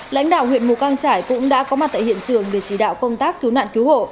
lãnh đạo huyện mù căng trải cũng đã có mặt tại hiện trường để chỉ đạo công tác cứu nạn cứu hộ